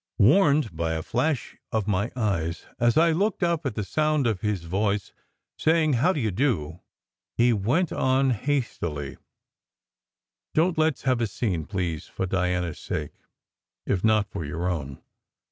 Warned by a flash of my eyes as I looked up at the sound of his voice, saying, "How do you do? " he went on hastily: "Don t let s have a scene, please, for Diana s sake, if not for your own.